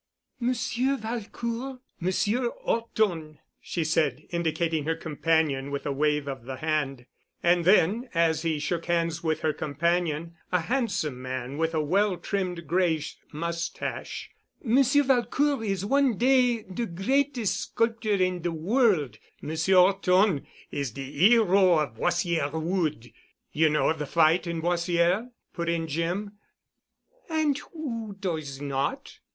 "Monsieur Valcourt—Monsieur 'Orton," she said, indicating her companion with a wave of the hand. And then, as he shook hands with her companion, a handsome man with a well trimmed grayish mustache, "Monsieur Valcourt is one day de greatest sculptor in de world—Monsieur 'Orton is de 'ero of Boissière wood." "You know of the fight in Boissière——?" put in Jim. "And who does not?